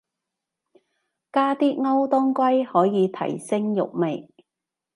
加啲歐當歸可以提升肉味